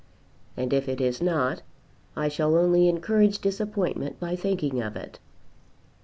And if it is not I shall only encourage disappointment by thinking of it."